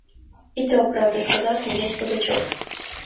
– И то правда, – сказал, смеясь, Пугачев.